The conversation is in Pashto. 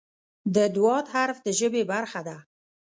د "ض" حرف د ژبې برخه ده.